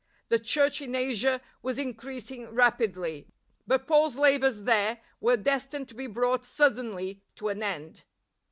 The Church in Asia was increasing rapidly; but Paul's labours there were destined to be brought suddenly to an end.